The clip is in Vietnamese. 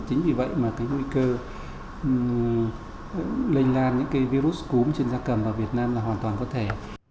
chính vì vậy mà cái nguy cơ lây lan những cái virus cúm trên da cầm vào việt nam là hoàn toàn có thể